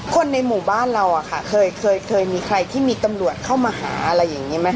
คนในหมู่บ้านเราอะค่ะเคยมีใครที่มีตำรวจเข้ามาหาอะไรอย่างนี้ไหมค